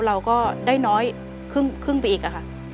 เราก็ได้น้อยครึ่งไปอีกค่ะ